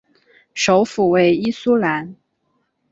首府为伊苏兰。